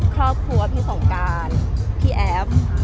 ครอบครัวพี่สงการพี่แอฟ